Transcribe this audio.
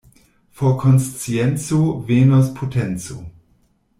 For konscienco, venos potenco.